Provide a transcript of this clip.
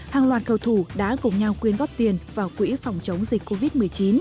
hàng loạt cầu thủ đã cùng nhau quyên góp tiền vào quỹ phòng chống dịch covid một mươi chín